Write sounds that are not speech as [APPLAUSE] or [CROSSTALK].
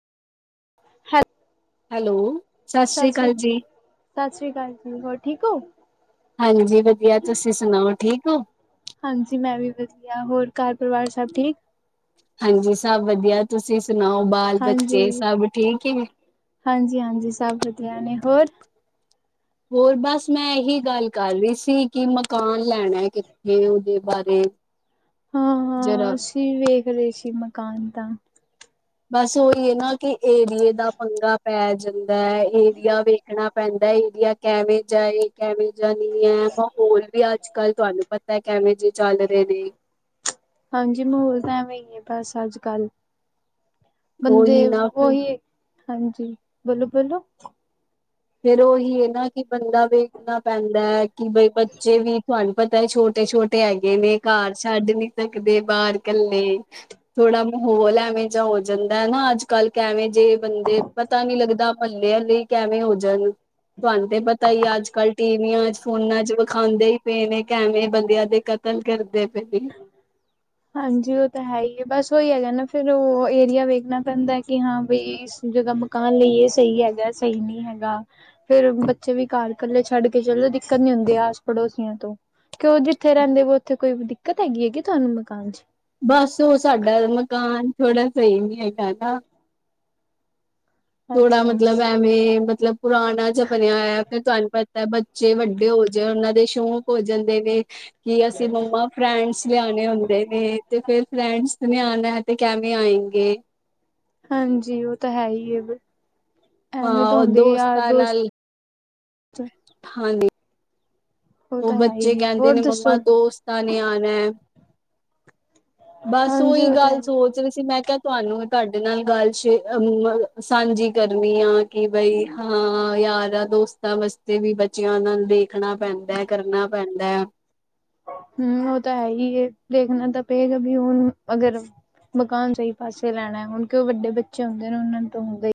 ਹਾਂ ਹੈਲੋ ਸਤਿ ਸ੍ਰੀ ਅਕਾਲ ਜੀ। ਸਤਿ ਸ਼੍ਰੀ ਅਕਾਲ ਜੀ ਹੋਰ ਠੀਕ ਹੋ। ਹਾਂਜੀ ਵਧੀਆ ਤੁਸੀਂ ਸੁਣਾਓ ਠੀਕ ਹੋ। ਹਾਂਜੀ ਮੈਂ ਵੀ ਵਧੀਆ ਹੋਰ ਘਰ ਪਰਿਵਾਰ ਸਭ ਠੀਕ, ਹਾਂਜੀ ਸਭ ਵਧੀਆ ਤੁਸੀਂ ਸੁਣਾਓ ਬਾਲ ਬੱਚੇ ਹਾਂਜੀ ਸਭ ਠੀਕ ਹੈ। ਹਾਂਜੀ ਹਾਂਜੀ ਸਭ ਵਧੀਆ ਹੈ ਨੇ ਹੋਰ। ਹੋਰ ਬਸ ਮੈਂ ਇਹੀ ਗੱਲ ਕਰ ਰਹੀ ਸੀ ਕਿ ਮਕਾਨ ਲੈਣਾ ਕਿੱਥੇ ਉਹਦੇ ਬਾਰੇ [INAUDIBLE] ਜਰਾ ਹਾਂ ਅਸੀਂ ਵੀ ਵੇਖ ਰਹੇ ਸੀ ਮਕਾਨ ਤਾਂ ਬਸ ਉਹੀ ਹੈ ਨਾ ਕਿ ਏਰੀਏ ਦਾ ਪੰਗਾ ਪੈ ਜਾਂਦਾ ਹੈ ਏਰੀਆ ਵੇਖਣਾ ਪੈਂਦਾ ਏਰੀਆ। ਕਿਵੇਂ ਜਿਹਾ ਕਿਵੇਂ ਜਿਹਾ ਨਹੀਂ ਹੈ ਮਾਹੌਲ ਵੀ ਅੱਜ ਕੱਲ ਤੁਹਾਨੂੰ ਪਤਾ ਕਿਵੇਂ ਜਿਹੇ ਚੱਲ ਰਹੇ ਨੇ ਹਾਂਜੀ ਮਾਹੌਲ ਤਾਂ ਐਵੇਂ ਹੀ ਹੈ ਬਸ ਅੱਜ ਕੱਲ ਬੰਦੇ ਉਹੀ ਨਾ ਫਿਰ ਉਹੀ ਹਾਂਜੀ ਬੋਲੋ ਬੋਲੋ ਫਿਰ ਉਹੀ ਇਹ ਨਾ ਕਿ ਬੰਦਾ ਵੇਖਣਾ ਪੈਂਦਾ ਹੈ ਕਿ ਬਈ ਬੱਚੇ ਵੀ ਤੁਹਾਨੂੰ ਪਤਾ ਛੋਟੇ ਛੋਟੇ ਹੈਗੇ ਨੇ ਘਰ ਛੱਡ ਨੀ ਸਕਦੇ ਬਾਹਰ ਕੱਲੇ ਥੋੜਾ ਮਾਹੌਲ ਐਵੇਂ ਜਿ ਹੋ ਜਾਂਦਾ ਹੈ ਨਾ ਅੱਜ ਕੱਲ ਐਵੇਂ ਜਿ ਬੰਦੇ, ਪਤਾ ਨਹੀਂ ਲੱਗਦਾ ਆਪਾਂ ਲੇਅਰ ਐਵੇਂ ਹੋ ਜਨਾ ਤੁਹਾਨੂੰ ਤੇ ਪਤਾ ਹੀ ਅੱਜ ਕੱਲ ਟੀਵੀਆਂ ਚ ਫੋਨਾ ਚ ਵਿਖਾਂਦੇ ਹੀ ਪਏ ਨੇ ਐਵੇਂ ਬੰਦਿਆਂ ਦੇ ਕਤਲ ਕਤਲ ਕਰਦੇ ਪਏ ਨੇ ਹੂ,,, ਹਾਂਜੀ ਉਹ ਤਾਂ ਹੈ ਹੀ ਹੈ ਬਸ ਉ ਹੀ ਹੈ ਜਾਂ ਨਾ ਫਿਰ ਉਹ ਏਰੀਆ ਵੇਖਣਾ ਪੈਂਦਾ ਕਿ ਹਾਂ ਬਈ ਜਦੋਂ ਮਕਾਨ ਲਈਏ ਸਹੀ ਹੈਗਾ ਸਹੀ ਨਹੀਂ ਹੈਗਾ ਫਿਰ ਬੱਚੇ ਵੀ ਘਰ ਇਕੱਲੇ ਛੱਡ ਕੇ ਚਲੋ ਦਿੱਕਤ ਨੀ ਹੁੰਦੀ ਆਸ ਪੜੋਸੀਆਂ ਤੋਂ ਕਿ ਉਹ ਜਿੱਥੇ ਰਹਿੰਦੇ ਵ ਉੱਥੇ ਕੋਈ ਦਿੱਕਤ ਹੈਗੀ ਤੁਹਾਨੂੰ ਮਕਾਨ ਚ ਬਸ ਉਹ ਸਾਡਾ ਮਕਾਨ ਥੋੜਾ ਸਹੀ ਨੀ ਹੈਗਾ ਨਾ ਥੋੜਾ ਅੱਛਾ। ਮਤਲਬ ਐਵੇਂ ਮਤਲਬ ਪੁਰਾਣਾ ਜ ਬਣਿਆ ਹੋਇਆ ਫਿਰ ਤੁਹਾਨੂੰ ਪਤਾ ਹੈ ਬੱਚੇ ਵੱਡੇ ਹੋ ਜਾਏ ਉਹਨਾਂ ਦੇ ਸ਼ੌਂਕ ਹੋ ਜਾਂਦੇ ਨੇ ਕੀ ਅਸੀਂ ਮੰਮਾ ਫਰੈਂਡਸ ਲਿਆਉਣੇ ਹੁੰਦੇ ਨੇ ਤੇ ਫਿਰ ਫਰੈਂਡਸ ਨ ਆਉਣਾ ਹੈ ਤੇ ਕਿਵੇਂ ਆਏਗੇ ਹਾਂਜੀ ਉਹ ਤਾਂ ਹੈ ਹੀ ਹੈ ਵੀ ਹਾਂ ਐਵੇਂ ਤਾਂ ਉਹ ਹੁੰਦੇ ਯਾਰ ਦੋਸਤਾਂ ਦੋਸਤ ਨਾਲ ਹਾਂਜੀ ਉਹ ਤਾਂ ਹੈ ਬੱਚੇ ਹੀ ਹੈ ਕਹਿੰਦੇ ਹੋਰ ਨੇ ਮੰਮਾ ਦੱਸੋ ਦੋਸਤ ਦੋਸਤਾਂ ਨੇ ਆਉਣਾ ਹੈ ਬਸ ਹਾਂਜੀ ਉਹੀ ਉਹ ਤਾਂ ਹੈ ਗੱਲ ਹੀ। ਸੋਚ ਰਹੀ ਸੀ ਮੈਂ ਕਿਹਾ ਤੁਹਾਨੂੰ ਤੁਹਾਡੇ ਨਾਲ ਗੱਲ ਸ਼ੇਅਰ ਸਾਂਝੀ ਕਰਨੀ ਆ ਕਿ ਬਈ ਹਾਂ ਯਾਰਾਂ ਦੋਸਤਾਂ ਵਾਸਤੇ ਵੀ ਬੱਚਿਆਂ ਨਾਲ ਦੇਖਣਾ ਪੈਂਦਾ ਕਰਨਾ ਪੈਂਦਾ ਹੈ ਹੂ ਉਹ ਤਾਂ ਹੈ ਹੀ ਇਹ ਦੇਖਣਾ ਤਾਂ ਪਏਗਾ ਬੀ ਹੁਣ ਅਗਰ ਮਕਾਨ ਸਹੀ ਪਾਸੇ ਲੈਣਾ ਹੁਣ ਕਿ ਉਹ ਵੱਡੇ ਬੱਚੇ ਹੁੰਦੇ ਨੇ ਉਹਨਾਂ ਤੋਂ ਹੁੰਦੇ